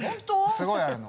すごいあるの。